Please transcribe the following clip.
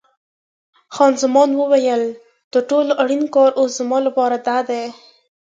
خان زمان وویل: تر ټولو اړین کار اوس زما لپاره دادی.